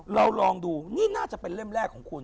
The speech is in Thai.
ลองดูนี่น่าจะเป็นเล่มแรกของคุณ